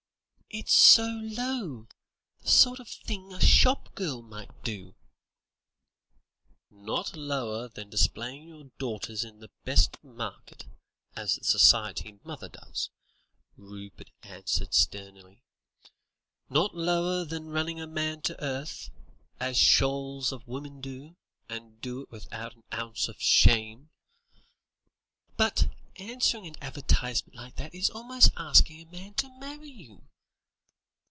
"It's so low. The sort of thing a shop girl might do." "Not lower than displaying your daughters in the best market, as the Society mother does," Rupert answered sternly; "not lower than running a man to earth, as shoals of women do, and do it without an ounce of shame." "But, answering an advertisement like that is almost asking a man to marry you."